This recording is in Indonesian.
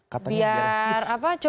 katanya biar peace